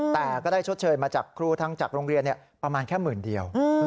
แต่ก็ได้ชดเชยมาจากครูทั้งจากโรงเรียนประมาณแค่หมื่นเดียว